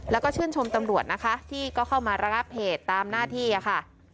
แล้วก็ชื่นชมตำรวจนะคะที่ก็เข้ามาระงับเหตุตามหน้าที่ค่ะ